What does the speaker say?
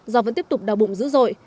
do vẫn tiếp tục đau bụng dữ dội